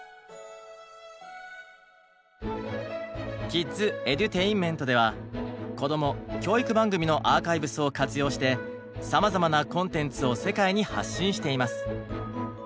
「ＫｉｄｓＥｄｕｔａｉｎｍｅｎｔ」ではこども・教育番組のアーカイブスを活用してさまざまなコンテンツを世界に発信しています。